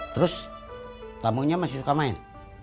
terus tamunya masih suka main